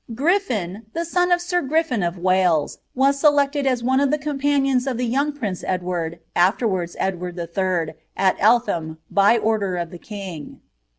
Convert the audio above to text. Griffin, Ihe son of sir Griffin of Wales, was selected as one of the companions of the yoonc prince Eldwaid, afterwards Edward III., at Eltham, by Older of the king.